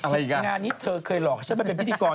งานนี้เธอเคยหลอกให้ฉันไปเป็นพิธีกร